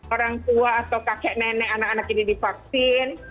orang tua atau kakek nenek anak anak ini divaksin